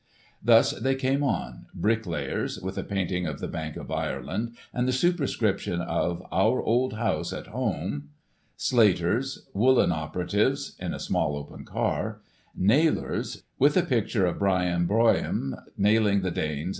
Thus they came on: Bricklayers (with a painting of the Bank of Ireland, emd the superscription of ' Our Old House at Home*); slaters, woollen operatives (in a small open car); nailors (with a picture of Brian Boroihme * nailing * the Danes O'Connell's Cap.